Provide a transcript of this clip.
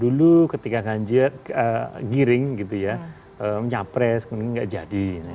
dulu ketika giring menyapres kemudian nggak jadi